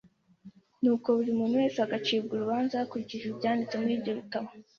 nuko buri muntu wese agacirwa urubanza hakurikijwe ibyanditswe muri ibyo bitabo,